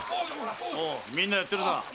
みんなやってるな。